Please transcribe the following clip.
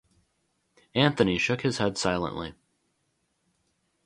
Anthony shook his head silently.